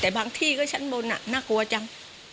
แต่บางที่ก็ชั้นบนน่ากลัวจัง